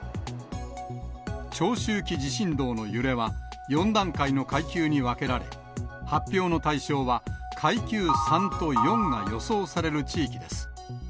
長周期地震動の揺れは、４段階の階級に分けられ、発表の対象は階級３と４が予想される地域です。